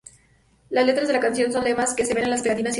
La letra de la canción son lemas que se ven en pegatinas israelíes.